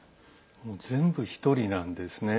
全部１人なんですね。